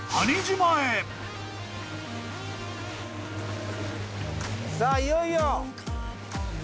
さあいよいよ。